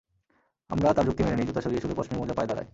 আমরা তার যুক্তি মেনে নিই, জুতা সরিয়ে শুধু পশমি মোজা পায়ে দাঁড়াই।